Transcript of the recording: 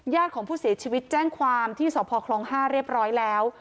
ญาติของผู้เสียชีวิตแจ้งความที่สอบพอครองห้าเรียบร้อยแล้ว